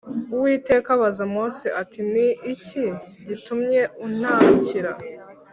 “uwiteka abaza mose ati: “ni iki gitumye untakira?